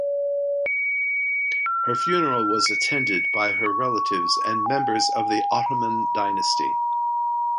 Her funeral was attended by her relatives and members of Ottoman dynasty.